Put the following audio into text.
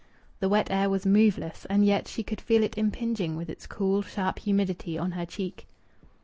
The wet air was moveless, and yet she could feel it impinging with its cool, sharp humidity on her cheek.